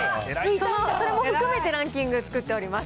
それも含めてランキング作っております。